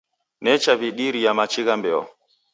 Nechaw'idiria machi gha mbeo.